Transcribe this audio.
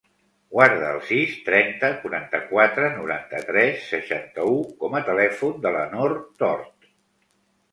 Guarda el sis, trenta, quaranta-quatre, noranta-tres, seixanta-u com a telèfon de la Nor Tort.